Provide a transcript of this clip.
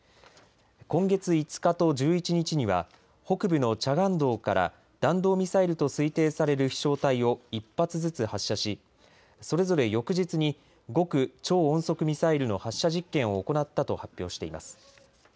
今月５日と１１日には北部のチャガン道から弾道ミサイルと推定される飛しょう体を１発ずつ発射しそれぞれ翌日に極超音速ミサイルの発射実験を行ったと発表しています。